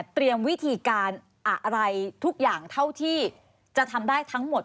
เตรียมวิธีการอะไรทุกอย่างเท่าที่จะทำได้ทั้งหมด